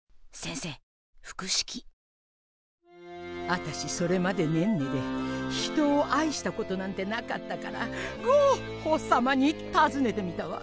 あたしそれまでネンネで人を愛したことなんてなかったからゴッホさまにたずねてみたわ。